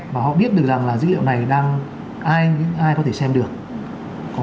và họ biết được rằng là dữ liệu này đang ai cũng ai có thể xem được